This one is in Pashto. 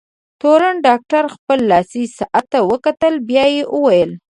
تورن ډاکټر خپل لاسي ساعت ته وکتل، بیا یې وویل: